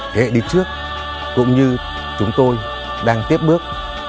thế hệ đi trước cũng như chúng tôi đang tiếp bước